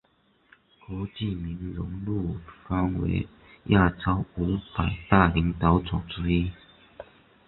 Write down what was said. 国际名人录封为亚洲五百大领导者之一。